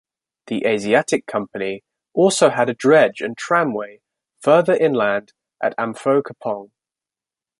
The Asiatic Company also had a dredge and tramway further inland at Amphoe Kapong.